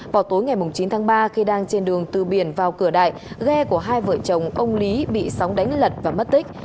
vào tối ngày chín tháng ba khi đang trên đường từ biển vào cửa đại ghe của hai vợ chồng ông lý bị sóng đánh lật và mất tích